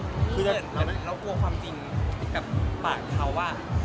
คือเรากลัวความจริงกับปากเขาว่า